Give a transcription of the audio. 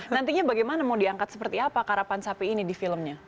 nantinya bagaimana mau diangkat seperti apa karapan sapi ini di filmnya